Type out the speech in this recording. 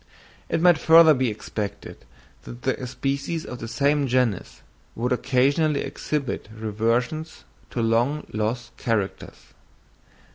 It might further be expected that the species of the same genus would occasionally exhibit reversions to long lost characters.